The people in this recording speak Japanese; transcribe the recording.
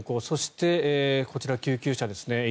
そしてこちら、救急車ですね。